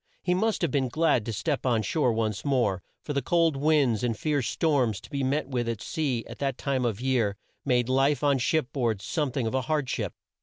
He must have been glad to step on shore once more, for the cold winds and fierce storms to be met with at sea, at that time of the year, made life on ship board some thing of a hard ship.